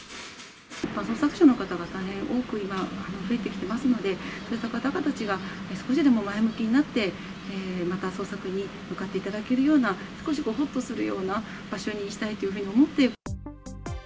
一般捜索者の方たちが、大変多く今、増えてきてますので、そういった方たちが少しでも前向きになって、また捜索に向かっていただけるような、少しほっとするような場所にしたいというふうに思って。